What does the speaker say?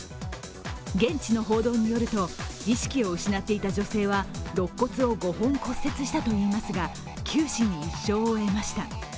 現地の報道によると意識を失っていた女性はろっ骨を５本骨折したといいますが九死に一生を得ました。